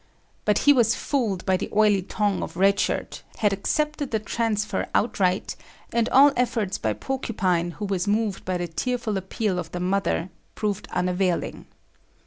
But he was fooled by the oily tongue of Red Shirt, had accepted the transfer outright, and all efforts by Porcupine who was moved by the tearful appeal of the mother, proved unavailing.